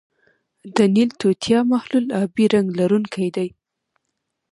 د نیل توتیا محلول آبی رنګ لرونکی دی.